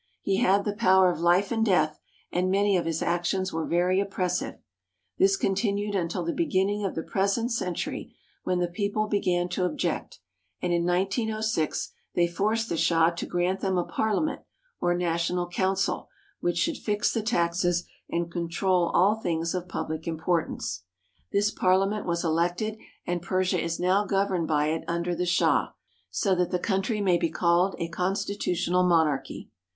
He had the power of Hfe and death, and many of his actions were very oppressive. This continued until the beginning of the present century, when the people began to object, and in 1906 they forced the Shah to grant them a parliament, or national council, which should fix the taxes and control all things of public importance. This PERSIA 329 parliament was elected, and Persia is now governed by it under the Shah, so that the country may be called a con stitutional monarchy.